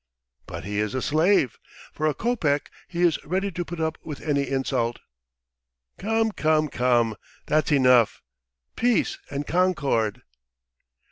"But he is a slave! For a kopeck he is ready to put up with any insult!" "Come, come, come ... that's enough! Peace and concord!"